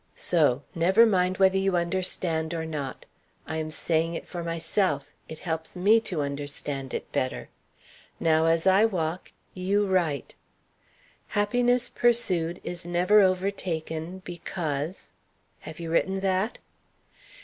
So; never mind whether you understand or not. I am saying it for myself: it helps me to understand it better. Now, as I walk, you write. 'Happiness pursued is never overtaken, because' have you written that?